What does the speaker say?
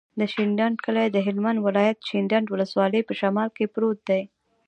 د شینډنډ کلی د هلمند ولایت، شینډنډ ولسوالي په شمال کې پروت دی.